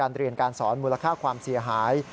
เรียนการสอนมูลค่าความเสียหาย